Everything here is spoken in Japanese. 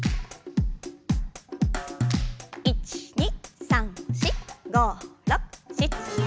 １２３４５６７８。